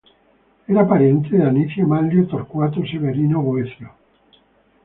Era pariente de Anicio Manlio Torcuato Severino Boecio.